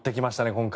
今回。